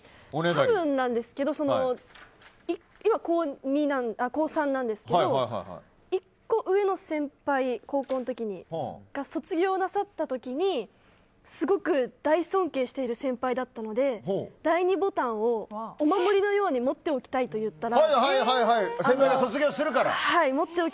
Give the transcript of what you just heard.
多分なんですけど今、高３なんですけど高校の時に１個上の先輩が卒業なさった時にすごく、大尊敬している先輩だったので第２ボタンをお守りのように持っておきたいと言ったらえー！